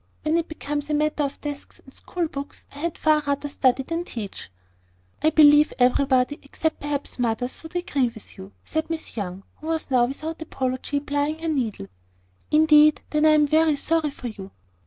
When it becomes a matter of desks and school books, I had far rather study than teach." "I believe everybody, except perhaps mothers, would agree with you," said Miss Young, who was now, without apology, plying her needle. "Indeed! then I am very sorry for you."